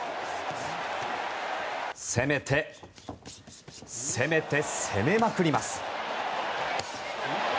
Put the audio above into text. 攻めて、攻めて攻めまくります。